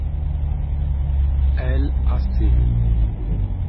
El Hassi